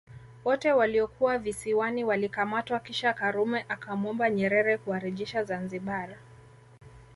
Wote waliokuwa Visiwani walikamatwa kisha Karume akamwomba Nyerere kuwarejesha Zanzibar